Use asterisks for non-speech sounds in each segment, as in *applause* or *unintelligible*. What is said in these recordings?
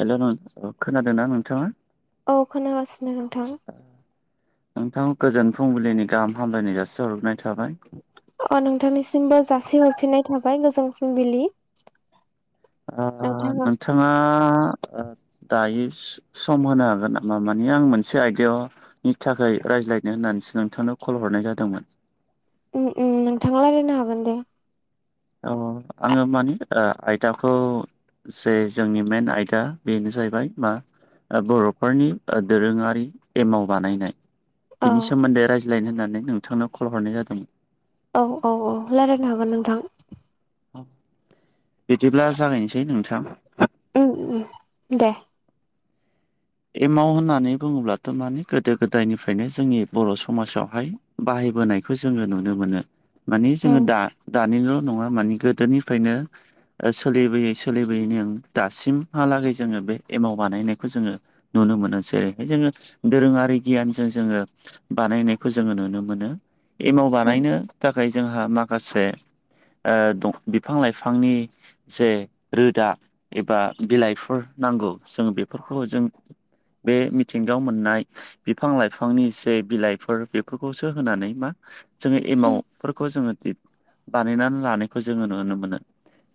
हेल' नों‌ खोनादों ना नोंथाङा औ खोनागासिनो नोंथां नोंथां गोजोन फुंबिलिनि गाहाम हामलायनाय जासि हरग्रोनाय थाबाय अ नोंथांनिसिमबो जासि हरफिननाय थाबाय गोजोन फुंबिलि नोंथाङा थाङा दायो सम होनो हागोन नामा माने आं मोनसे आयदायाव नि थाखाय रायज्लायनो होननानैसो नोंथांनो कल हरनाय जादोंमोन नोंथाङा रायलायनो हागोन दे औ आङो मानि‌ ओ आयदाखौ जे जोंनि मेन आयदा बेनो जाहैबाय मा बर'फोरनि दोरोङारि एमाव बानायनाय औ बिनि सोमोन्दै रायज्लायनो होननानै नोंथांनो कल हरनाय जादों औ औ औ रायजलायनो हागोन नोंथां बिदिब्ला जागायनोसै नोंथां दे एमाव होननानै बुङोब्लाथ' माने गोदो गोदायनिफ्रायनो जोंनि बर' समाजावहाय बाहायबोनायखौ जोङो नुनो मोनो मानि जोङो उम दा दानिल' नङा माने गो दोनिफ्रायनो सोलिबोयै सोलिबोयैनि आ दासिमहालागै जोङो बे एमाव बानायनायखौ जोङो नुनो मोनोसै जेरैहाय जोङो दोरोङारि गियानजों जोङो बानायनायखौ जोङो नुनो मोनो एमाव उम बानायनो थाखाय जोंहा माखासे बिफां लाइफांनि जे रोदा एबा बिलाइफोर नांगौ जों बेफोरखौ जों बे मिथिंगायाव मोननाय बिफां लाइफांनि जे बिलाइफोर बेफोरखौसो होनानै मा जोङो उम एमावफोरखौ जोङो बानायनानै लानायखौ जोङो नुनो मोनो।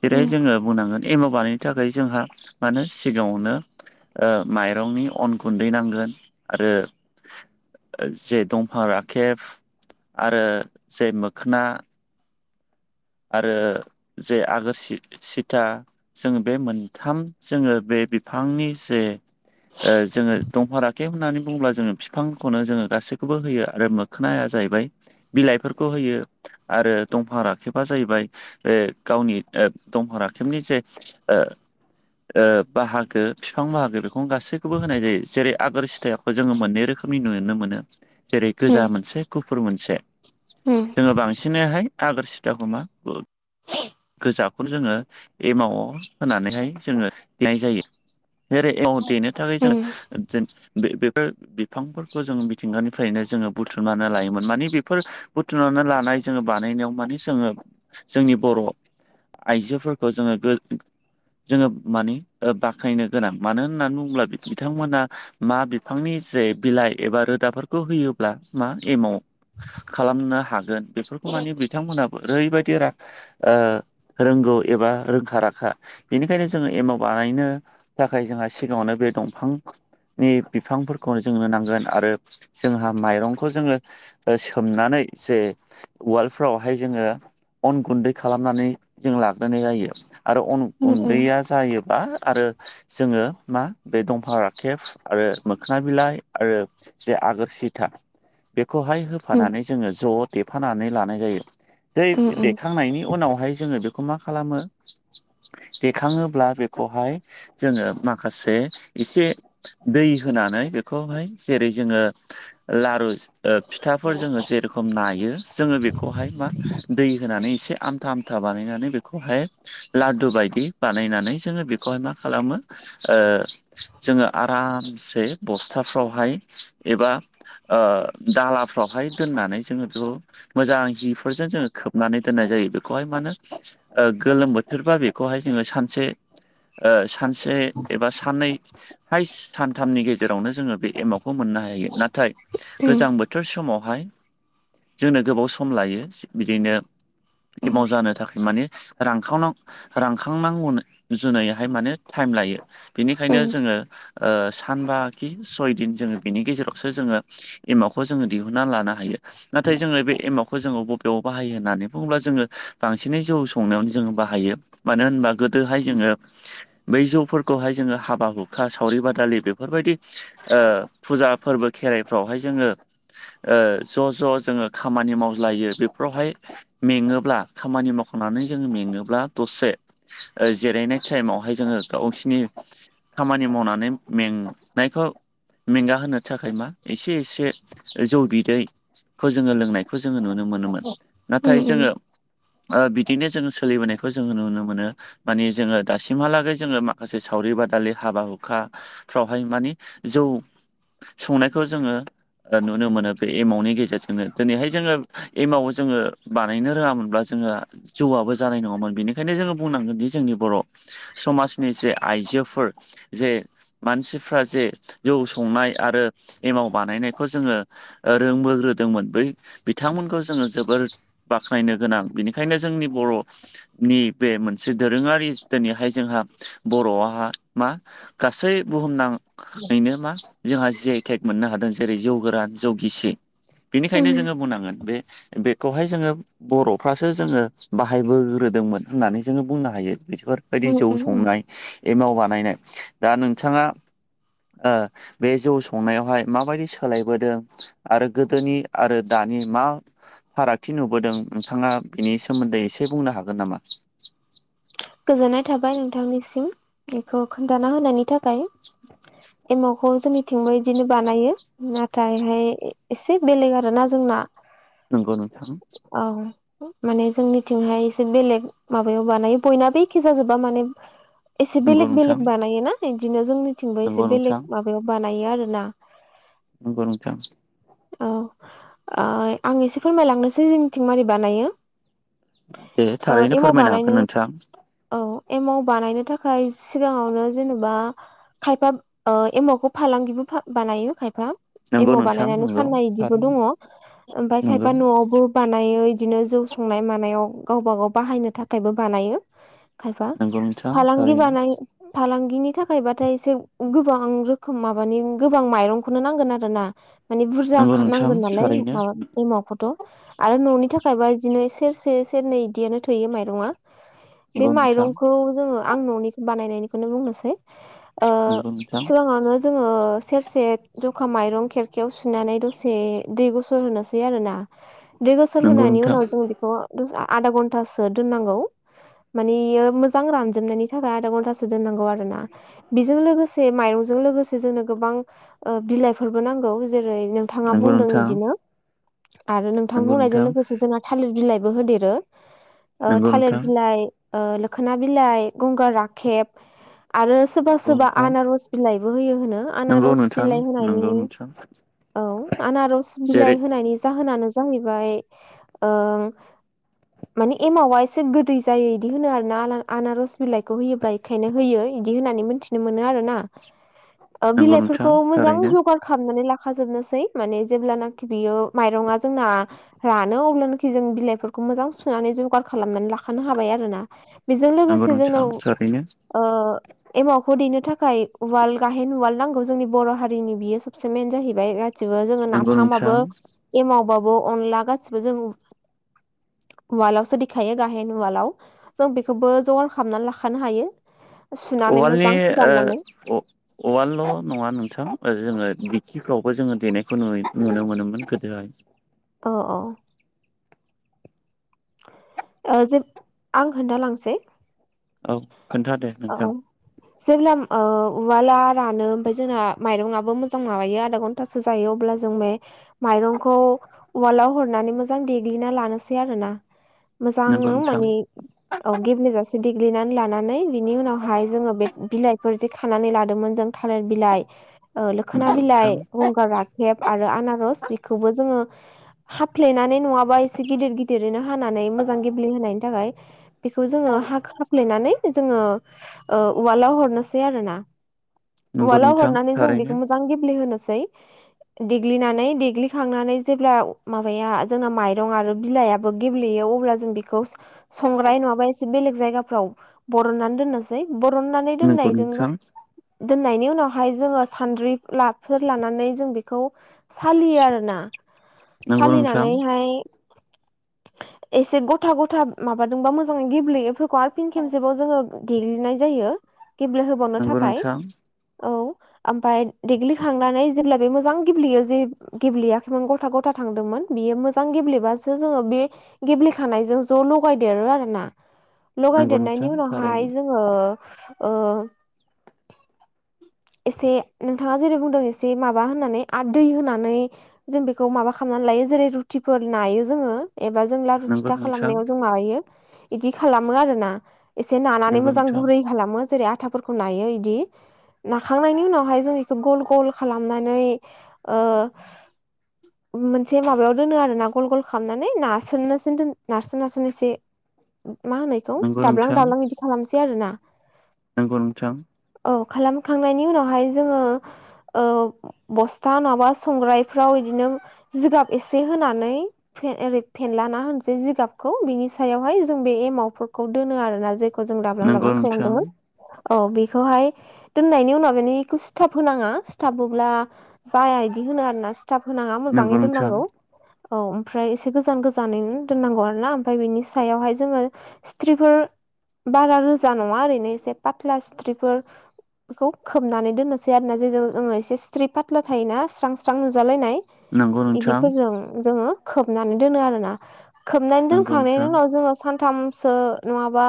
जेरैहाय जोङो बुंनांगोन एमाव बायनो थाखाय जोंहा मानो सिगांङावनो माइ रंनि अन गुन्दै नांगोन आरो जे दंफां राखेब आरो जे मोखोना आरो जे आगोर सि सिथा जोङो बे मोनथाम जोङो बे बिफांनि जे जोङो दंफां राखेबा होननानै बुङोब्ला जोङो फिफांखौनो जोङो गासैखौबो होयो आरो खोनाया जाहैबाय बिलाइफोरखौ होयो आरो दंफां राखेब जाहैबाय बे गावनि दंफां राखेबनि जे बाहागो फिफां बाहागो बेखौनो गासैखौबो होनाय जायो जेरै आगोर सिथायाव खौ जोङो मोननै रोखोमनि नुनो मोनो। जेरै उम गोजा मोनसे गुफुर मोनसे उम जोङो बांसिनैहाय आगोर सि *unintelligible* गोजाखौ जोङो एमाव होननानैहाय जोङो गनाय जायो। *unintelligible* एमाव देनो थाखाय जों उम बे बेफोर बिफांफोरखौ जों मिथिंगानिफ्रायनो जोङो बुथुमनानै लायोमोन मानसि बेफोर बुथुनावनो लानाय जोङो बानायनायाव माने जोङो जोंनि बर' आइजोफोरखौ जोङो गो जोङो माने ओ बाख्नायनो गोनां मानो होननानै बुङोब्ला बिथांमोना मा बिफांनि जे बिलाइ एबा रोदाफोरखौ होयोब्ला मा एमाव खालामनो हागोन बेफोरखौ मानि बिथांमोनाबो ओरैबायदि ओ रोंगौ एबा रोंखा राखा बेनिखायनो जोङो एमाव बानायनो थाखाय जोंहा सिगाङावनो बे दंफां नि बिफांफोरखौ जोंनो नांगोन आरो जोंहा माइरंखौ जोङो ओ सोमनानै जे वालडफ्रावहाय जोङो अन गुन्दै खालामनानै जों लाग्रोनाय जायो आरो अन उम गुन्दैया जायोबा आरो जोङो मा बे दंफां राखेब आरो मोखोना बिलाइ आरो जे आगोर सिथा बेखौहाय उम होफानानै जोङो ज' देफानानै लानाय जायो। हैै उम उम देखांनायनि उनावहाय जोङो बेखौ मा खालामो बेखाङोब्ला बेखौहाय जोङो माखासे एसे दै होनानै बेखौहाय जेरै जोङो लारु ओ फिथाफोर जोङो जेरेखम नायो जोङो बेखौहाय मा दै होनानै एसे आमथा आमथा बानायनानै बेखौहाय लादु बायदि बानायनानै जोङो बेखौहाय मा खालामो ओ जोङो आरामसे बस्थाफ्रावहाय एबा ओ दालाफ्रावहाय दोननानै जोङो बेखौ मोजां जि फोरजों जोङो खोबनानै दोननाय जायो बेखौहाय मानो ओ गोलोम बोथोरबा बेखौहाय जोङो सानसे ओ सानसे एबा साननै हाइस् सानथामनि गेजेरावनो जोङो बे एमावखौ मोननो हायो नाथाय गोजां बोथोर समावहाय जोंनो गोबाव सम लायो बिदिनो एमाव जानो थाखाय माने रांखावनाव रानखांनांगौ जुनैहाय माने टाइम लायो बेनिखायनो जोङो सानबा खि सय दिन जोङो बिनि गेजेरावसो जोङो एमावखौ जोङो दिहुनन्ना लानो हायो। नाथाय जोङो बे एमावखौ जोङो बबे बेयाव बाहायो होननानै बुङोब्ला जोङो बांसिनै जौ संनायावनो जोङो बाहायो। मानो होनबा गोदोहाय जोङो बै जौफोरखौहाय जोङो हाबा हुखा सावरि बादालि बेफोरबायदि ओ फुजा फोरबो खेराइफ्रावहाय जोङो ओ ज' ज' जोङो खामानि मावलायो बे फ्रावहाय मेङोब्ला खामानि मावखांनानै जों मेङोब्ला दसे ओ जिरायनाय टाइमावहाय जोङो गावसिनि खामानि मावनानै मेंनायखौ मेंगा होनो थाखाय मा एसे एसे जौ बिदै खौ जोङो लोंनायखौ जोङो नुनो मोनोमोन उम नाथाय उम जोङो ओ बिदिनो जोङो सोलिबोनायखौ जोङो नुनो मोनो। मानि जोङो दासिमहालागै जोङो माखासे सावरि बादालि हाबा हुखा फ्रावहाय माने जौ संनायखौ जोङो नुनो मोनो बे एमावनि गेजेरजोंनो दिनैहाय जोङो एमाव जोङो बानायनो रोङामोनब्ला जोङो जौआबो जानाय नङामोन बेनिखायनो जोङो बुंनांगोन दि जोंनि बर' समाजनि जे आइजोफोरा जे मानसिफ्रा जे जौ संनाय आरो एमाव बानायनायखौ जोङो रोंबोग्रोदोंमोन बै बिथांमोनखौ जोङो जोब बाख्नायनो गोनां बेनिखायनो जोंनि बर' नि बे मोनसे दोरोङारि दिनैहाय जोंहा बर'आ मा गासै बुहुमनां बि नो मा जोंहा जि आइ टेक मोननो हादों जेरै जौ गोरान जौ गिसि बिनिखायनो जोङो बुंनांगोन बे बेखौहाय जोङो बर'फ्रासो जोङो बाहायबोग्रोदोंमोन होननानै जोङो बुंनो हायो बेफोर दि उम जौ उम संनाय एमाव बानायनाय दा नोंथाङा बे जौ संनायावहाय माबायदि सोलायबोदों आरो गोदोनि आरो दानि मा फारागथि नुबोदों नोंथाङा बिनि सोमोन्दै एसे बुंनो हागोन नामा? गोजोननाय थाबाय नोंथांनिसिम बेखौ खोन्थाना होनायनि थाखाय एमावखौ जोंनिथिंबो बिदिनो बानायो। नाथायहाय एसे बेलेग आरोना जोंना नंगौ नोंथां औ माने जोंनिथिंहाय एसे बेलेग माबायाव बानायो बयनाबो एखे जाजोबा माने एसे नंगौ बेलेक नोंथां बेलेक बानायोना बिदिनो जोंनि थिंबो नंगौ एसे नोंथां बेलेग माबायाव बानायो आरो ना नंगौ नोंथां औ आं एसे फोरमायलांनोसै जोंनिथिं मादि बानायो। दे ओ थारैनो एमाव फोरमायनो बानायनो हागोन नोंथां औ एमाव बानायनो थाखाय सिगाङावनो जेनेबा खायफा एमावखौ फालांगिबो बानायो खायफा नंगौ एमाव नोंथां बानायनानै नंगौ फाननाय बिदिबो थारैनो दङ ओमफाय नंगौ खायफा न'आवबो बानायो बिदिनो जौ संनाय मानायाव गावबा गाव बाहायनो थाखायबो बानायो खायफा नंगौ नोंथां फालांगि थारैनो बानाय फालांगिनि थाखायबाथाय एसे गोबां रोखोम माबानि गोबां माइरंखौनो नांगोन आरो ना मानि बुरजा नंगौ नोंथां नांगोन नालाय थारैनो माबा एमावखौथ' आरो न'नि थाखायबा बिदिनो सेरसे सेरनै बिदियानो थोयो माइरङा बे नंगौ नोंथां माइरंखौ जोङो आं न'निखौ बानायनायनिखौनो बुंनोसै ओ नंगौ नोंथां सिगाङावनो जोङो सेरसे जखा माइरं खेरखायाव सुनानै दसे दै गुसु होनोसै आरोना दै गुसु होनायनि उनाव जों बेखौ आधा घन्टासो दोननांगौ मानि इयो मोजां रानजोबनायनि थाखाय आधा घन्टासो दोननांगौ आरो ना बेजों लोगोसे माइरंजों लोगोसे जोंनो गोबां बिलाइफोरबो नांगौ जेरै नोंथाङा नंगौ बुंदों नोंथां बिदिनो आरो नोंथां बुंनायजों लोगोसे जोंना थालिर बिलाइबो होदेरो नंगौ थालिर नोंथां बिलाइ लोखोना बिलाइ गंगार राखेब आरो सोरबा नंगौ सोरबा नोंथां नंगौ नोंथां आनारज बिलाइबो होयो होनो नंगौ आनारस नोंथां बिलाइ नंगौ होनायनि नोंथां औ आनारस जेरै बिलाइ होनायनि जाहोनानो जाहैबाय मानि एमावा एसे गोदै जायो बिदि होनो आरो ना आ आनारस बिलाइखौ होयोब्ला बेखायनो होयो इदि होनानै मोनथिनो मोनो आरो ना नंगौ नोंथां बिलाइफोरखौ मोजां थारैनो जगार खामनानै लाखाजोबनोसै माने जेब्लानाखि बियो माइरङा जोंना रानो अब्लानाखि जों बिलाइफोरखौ मोजां सुनानै जगार खालामनानै लाखानो हाबाय आरो ना बेजों नंगौ लोगोसे नोंथां थारैनो जोंनाव एमावखौ दैनो थाखाय उवाल गाहेन उवाल नांगौ जोंनि बर' हारिनि बियो सबसे मेन जाहैबाय गासिबो जोङो नंगौ नोंथां नाफामाबो एमावबाबो अनला गासिबो जों उवालावसो दिखायो गाहेन उवालाव जों बेखौबो जगार खामनानै लाखानो हायो सुनानै उवालनि मोजां फोराननानै ओ औवालल' नङा नोंथां जोङो बिथिफ्रावबो जोङो देनायखौ नु नुनो मोनोमोन गोदोहाय अ अ जे आं खोन्थालांसै औ खोन्थादे औ नोंथां जेब्ला उवाला रानो ओमफ्राय जोंना माइरंआबो मोजां माबायो आन थासो जायो अब्ला जों बे माइरंखौ उवालाव हरनानै मोजां देग्लिना लानोसै आरो ना मोजां नंगौ नोंथां माने औ गेब्लजासे देग्लिनानै लानानै बिनि उनावहाय जोङो बे बिलाइफोर जे खानानै लादोंमोन जों थालिर बिलाइ लोखोना नंगौ नोंथां बिलाइ गंगा राग हेब आरो आनारस बेखौबो जोङो हाफ्लेनानै नङाबा एसे गिदिर गिदिरैनो हानानै मोजां गेब्ले होनायनि थाखाय बेफोर जोङो लैनानै जोङो उवालाव हरनोसै आरो ना नंगौ उवालाव नोंथां हरनानै जों थारैनो बेखौ मोजां गेब्लेहोनोसै देग्लिनानै देग्लिखांनानै जेब्ला माबाया जोंना माइरं आरो बिलाइआ गेबेयो अब्ला जों बेखौ संग्राय नङाबा एसे बेलेग जायगाफ्राव बरनानै दोननोसै बरननानै नंगौ दोननायजोंल' नोंथां दोननायनि उनावहाय जोङो सानद्रिफोर लानानै जों बेखौ सालियो आरो ना नंगौ नोंथां सालिनानैहाय एसे गथा गथा माबादोंबा मोजाङै गेब्लेयोफोरखौ आरो फिन खेबसेबाव जोङो देनाय जायो गेब्ले होबावनो नंगौ थाखाय नोंथां औ ओमफाय देग्लिखांनानै जेब्ला बे मोजां गेब्लेयो जे गेब्लेयाखैमोन गथा गथा थांदोंमोन बियो मोजां गेब्लेबासो जोङो बे गेब्लेखानायजों ज' लगायदेरो आरोोना नंगौ नोंथां लगायदेरनायनि थारैनो उनावहाय जों ओ ओ एसे नोंथाङा जेरै बुंदों एसे माबा होननानै आरो दै होनानै जों बेखौ माबा खालामनानै लायो जेरै रुटिफोर नायो जोङो एबा जों नंगौ फिथा नोंथां खालामनायाव जों माबायो बिदि खालामो आरोना एसे नानानै नंगौ मोजां नोंथां गुरै खालामो जेरै आथाफोरखौ नायो इदि नाखांनायनि उनावहाय जों बेखौ गल गल खालामनानै ओ *inaudible* मोनसे माबायाव दोनो आरो ना गल गल खालामनानै नारसोनसोन दोन नारसोन नारसोन एसे मा होननायखौ नंगौ दाब्लां नोंथां दाब्लां बिदि खालामसै आरो ना नंगौ नोंथां औ खालामखांनायनि उनावहाय जोङो बस्था नङाबा संग्रायफ्राव बिदिनो जिगाब एसे होनानै फेरे एसे फेनलाना होनसै जिगाबखौ बिनि सायावहाय जों बे एमावफोरखौ दोनो आरोना जे जों दाबलां नंगौ दाबलां नोंथां खालामदों औ बेखौहाय दोननायनि उनाव मे बेखौ सिथाब होनाङा सिथाबोब्ला जाया बिदि होनो आरो ना खिथाब होनाङा नंगौ नोंथां नंगौ मोजाङै नोंथां दोननांगौ औ ओमफ्राय एसे गोजान गोजानैनो दोननांगौ आरो ना ओमफ्राय बेनि सायावहाय जोङो सिथ्रिफोर बारा रोजा नङा ओरैनो एसे पाथ्ला सिथ्रिफोर बेखौ खोबनानै दोननोसै आरोना जेजों जोङो एसे सथ्रि फाथ्ला थायोना स्रां स्रां नुजालायनाय नंगौ नोंथां बिदिफोरजों जोङो खोबनानै दोनो आरो ना खोबनानै नंगौ दोनखांनायनि नोंथां उनाव जोङो सानथामसो नङाबा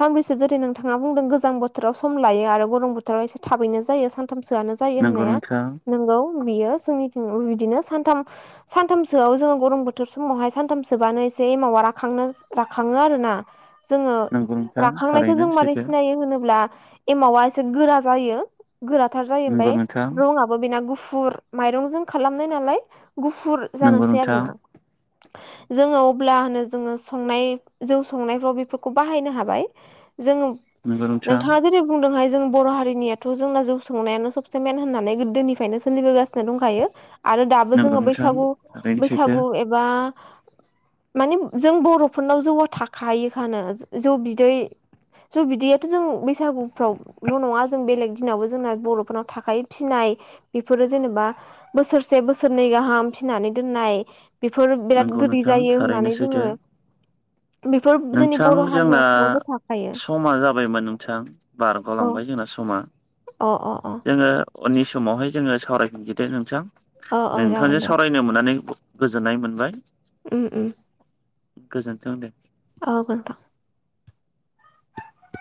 सानब्रैसो जेरै नोंथाङा बुंदों गोजां बोथोराव सम लायो आरो गरम बोथोर बोथोराव एसे थाबैनो जायो सानथामसोआनो जायो नंगौ होननाया नोंथां नोंगौ बियो जोंनि बिदिनो सानथाम सानथामसोआव जोङो गरम बोथोर समावहाय सानथामसोबानो एसे एमावा राखांनो राखङो आरोोना जोङो नंगौ नोंथां राखांनायखौ थारैनो जों मारै सैथो सिनायो होनोब्ला एमावा एसे गोरा जायो गोराथार जायो नंगौ ओमफ्राय नोंथां रंङाबो बेना गुफुर माइरंजों खालामनाय नालाय गुफुर नंगौ जानोसै नोंथां आरोना जोङो अब्लानो जोङो संनाय जौ संनायफ्राव बेफोरखौ बाहायनो हाबाय जोङो नंगौ नोंथां नोंथाङा जेरै बुंदोंहाय जों बर' हारि नियाथ जोंना जौ संनायानो सबसे मेन होननानै गोदोनिफ्रायनो सोलिबोगासिनो दंखायो आरो दाबो नंगौ जोङो नोंथां बैसागु थारैनो सैथो बैसागु एबा माने जों बर'फोरनाव जौआ थाखायोखानो जौ बिदै जौ बिदैयाथ जों बैसागुफ्रावल नङा जों बेलेग दिनावबो जोंना बर'फोरनाव थाखायो फिसिनाय बेफोरो जेनेबा बोसोरसे बोसोरनै गाहाम फिनानै दोननाय बेफोर बिराद नंगौ गोदै नोंथां जायो थारैनो होननानै सैथो जोङो बेफोर जोंनि नोंथां बर' जोंना हारिनाव बयबो थाखायो समा जाबायमोन नोंथां अ बारगलांबाय जोंना सम समा अ अ अ उननि समावहाय जोङो सावरायफिनोसैदे नोंथां अ अ जागोन नोंथांजों दे सावरायनो मोननानै गोजोननाय मोनबाय उम उम गोजोनथों दे औ नोंथां